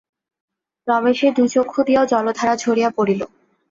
রমেশের দুই চক্ষু দিয়াও জলধারা ঝরিয়া পড়িল।